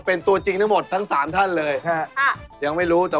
พี่ประดิษฐ์ช่างพลอยนะครับ